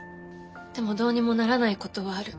でもどうにもならないことはある。